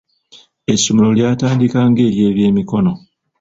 Essomero lyatandika nga ery'ebyemikono.